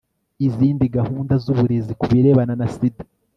izindi gahunda z uburezi ku birebana na sida